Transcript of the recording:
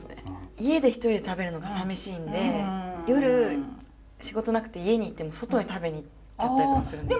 家で一人で食べるのがさみしいんで夜仕事なくて家にいても外に食べに行っちゃったりとかするんですよ。